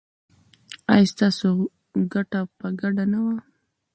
ایا ستاسو ګټه به ګډه نه وي؟